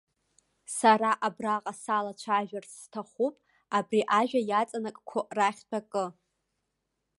Сара абраҟа салацәажәарц сҭахуп абри ажәа иаҵанакқәо рахьтә акы.